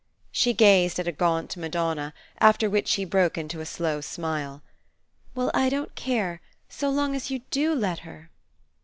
She gazed at a gaunt Madonna; after which she broke into a slow smile. "Well, I don't care, so long as you do let her."